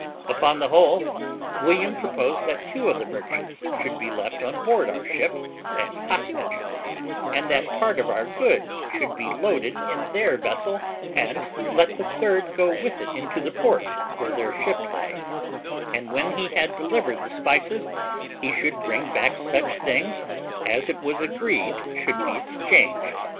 Upon the whole, William proposed that two of the merchants should be left on board our ship as hostages, and that part of our goods should be loaded in their vessel, and let the third go with it into the port where their ship lay; and when he had delivered the spices, he should bring back such things as it was agreed should be exchanged.